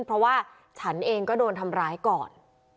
เพราะว่าฉันเองก็โดนทำร้ายก่อน